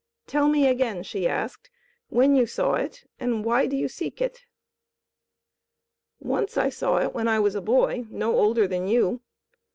"Tell me again," she asked, "when you saw it, and why do you seek it?" "Once I saw it when I was a boy, no older than you.